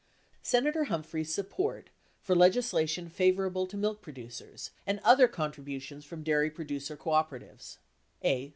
SENATOR HUMPHREY'S SUPPORT FOR LEGISLA TION FAVORABLE TO MILK PRODUCERS, AND OTHER CONTRIBUTIONS FROM DAIRY PRODUCER COOPERA TIVES A.